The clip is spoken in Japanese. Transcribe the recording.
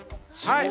はい！